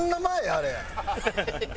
あれ。